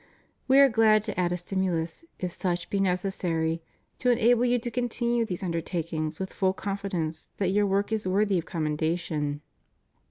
We are glad to add a stimulus, if such be neces sary, to enable you to continue these undertakings with full confidence that your work is worthy of commenda tion.